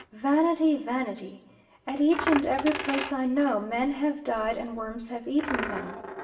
Vanity, vanity! At each and every place I know, "men have died and worms have eaten them."